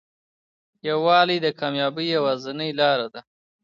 یووالی د کامیابۍ یوازینۍ لاره ده.